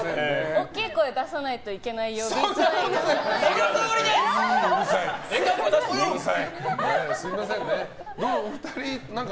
大きい声出さないといけない曜日ですか。